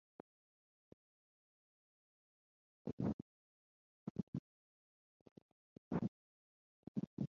In these filters, the discs were made of stainless steel and brass.